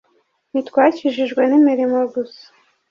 Ntitwakijijwe n imirimo gusa